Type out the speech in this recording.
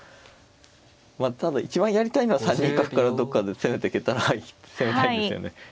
まあただ一番やりたいのは３二角からどっかで攻めていけたら攻めたいんですよね。